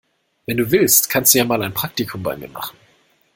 Wenn du willst, kannst du ja mal ein Praktikum bei mir machen.